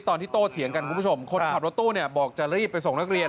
ตอนที่โตเถียงกันคุณผู้ชมคนขับรถตู้เนี่ยบอกจะรีบไปส่งนักเรียน